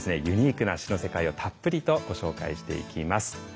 ユニークな詩の世界をたっぷりとご紹介していきます。